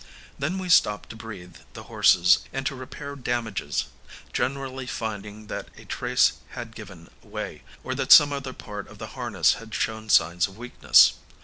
Then we stopped to breathe the horses and to repair damages, generally finding that a trace had given way, or that some other part of the harness had shown signs of weakness.